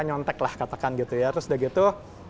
nyontek lah katakan gitu ya terus udah gitu